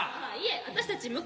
ああいえ私たち